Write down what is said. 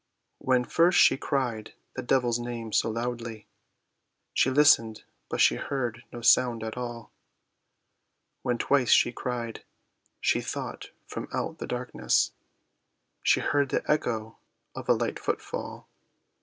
When first she cried the devil's name so loudly She listened, but she heard no sound at all; When twice she cried, she thought from out the darkness She heard the echo of a light footfall.